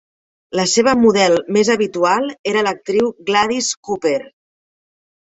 La seva model més habitual era l'actriu Gladys Cooper.